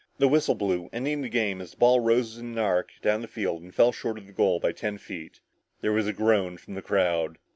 The whistle blew ending the game as the ball rose in an arc down the field and fell short of the goal by ten feet. There was a groan from the crowd.